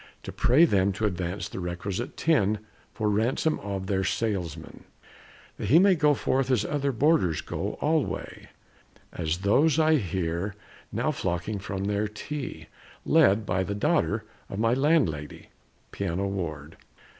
To pray them to advance the requisite tin For ransom of their salesman, that he may Go forth as other boarders go alway As those I hear now flocking from their tea, Led by the daughter of my landlady Pianoward.